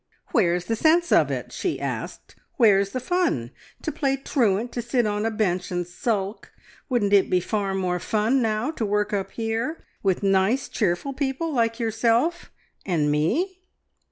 "Where's the sense of it?" she asked. "Where's the fun? To play truant to sit on a bench and sulk! Wouldn't it be far more fun, now, to work up here with nice cheerful people like yourself and me?"